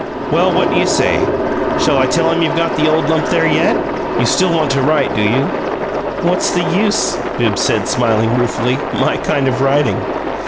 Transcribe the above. Well, what do you say? Shall I tell him you've got the old lump there yet? You still want to write, do you?" "What's the use?" Bibbs said, smiling ruefully. "My kind of writing!"